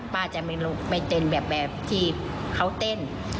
ป้าจะไม่เต้นแบบที่เขาเต้น